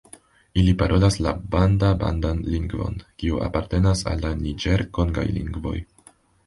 Ili parolas la banda-bandan lingvon, kiu apartenas al la niĝer-kongaj lingvoj.